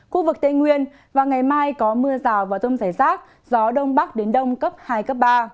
khu vực tây nguyên và ngày mai có mưa rào và rông rải rác gió đông bắc đến đông cấp hai cấp ba